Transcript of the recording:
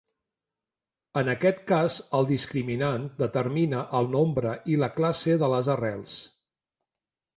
En aquest cas el discriminant determina el nombre i la classe de les arrels.